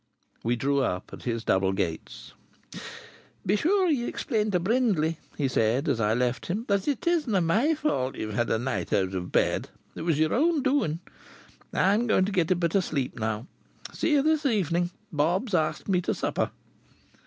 We drew up at his double gates. "Be sure ye explain to Brindley," he said, as I left him, "that it isn't my fault ye've had a night out of bed. It was your own doing. I'm going to get a bit of sleep now. See you this evening, Bob's asked me to supper."